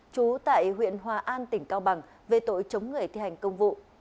trú tại huyện hòa an tỉnh cao bằng về tội chống người thi hành công vụ